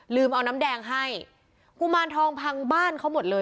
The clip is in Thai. เอาน้ำแดงให้กุมารทองพังบ้านเขาหมดเลย